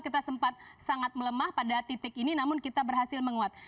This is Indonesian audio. kita sempat sangat melemah pada titik ini namun kita berhasil menguat